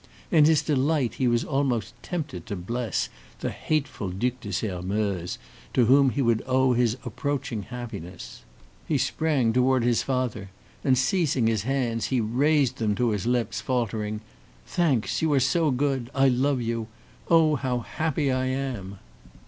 In his delight he was almost tempted to bless the hateful Duc de Sairmeuse, to whom he would owe his approaching happiness. He sprang toward his father, and seizing his hands, he raised them to his lips, faltering: "Thanks! you are so good! I love you! Oh, how happy I am!"